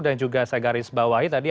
dan juga saya garis bawahi tadi